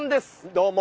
どうも。